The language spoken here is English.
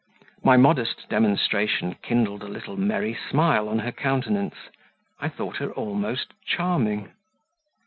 My modest demonstration kindled a little merry smile on her countenance; I thought her almost charming.